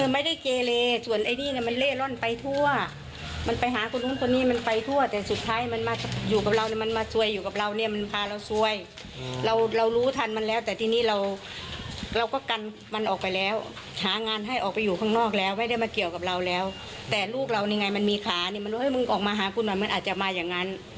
มันมีขามันรู้ว่าออกมาหาคุณมันอาจจะมาอย่างนั้น